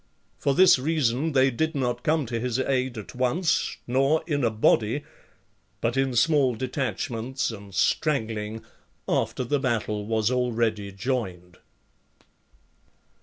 For this reason they did not come to his aid at once, nor in a body, but in small detachments and straggling, after the battle was already joined.